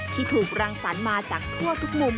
ที่ถูกรังสรรค์มาจากทั่วทุกมุม